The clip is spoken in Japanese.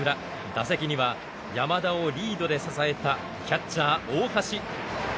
打席には山田をリードで支えたキャッチャー大橋。